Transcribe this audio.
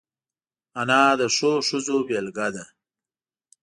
انا د ښو ښځو بېلګه ده